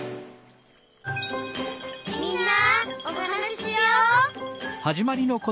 「みんなおはなししよう」